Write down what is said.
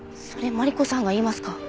それマリコさんが言いますか。